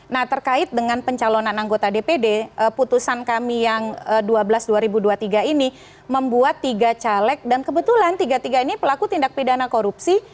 nah terkait dengan pencalonan anggota dpd putusan kami yang dua belas dua ribu dua puluh tiga ini membuat tiga caleg dan kebetulan tiga tiga ini pelaku tindak pidana korupsi